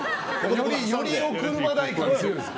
よりお車代感が強いです。